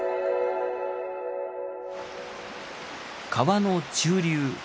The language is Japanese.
川の中流。